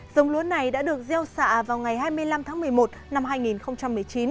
giống lúa này đã được gieo xạ vào ngày hai mươi năm tháng một mươi một năm hai nghìn một mươi chín